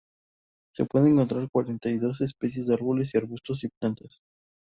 Se pueden encontrar cuarenta y dos especies de árboles y arbustos y plantas.